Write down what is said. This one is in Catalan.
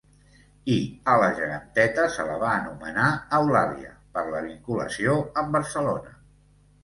I a la geganteta se la va anomenar Eulàlia per la vinculació amb Barcelona.